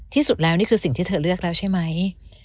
ที่สุดแล้วนี่คือสิ่งที่เธอเลือกแล้วใช่ไหม